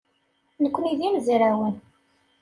Nekkni d imezrawen.